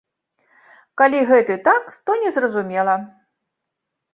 Калі гэты так, то незразумела.